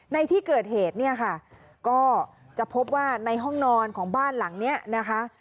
ในที่เกิดเหตุเนี่ยค่ะก็จะพบว่าในห้องนอนของบ้านหลังนี้นะคะ